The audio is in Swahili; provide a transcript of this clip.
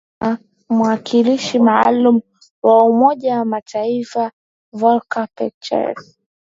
akiwa na mwakilishi maalum wa Umoja wa mataifa Volker Perthes